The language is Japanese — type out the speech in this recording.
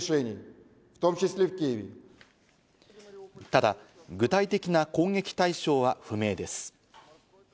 ただ具体的な攻撃対象は不明です。